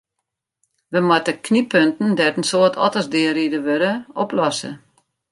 We moatte knyppunten dêr't in soad otters deariden wurde, oplosse.